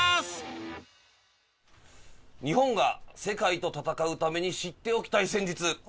日本が世界と戦うために知っておきたい戦術。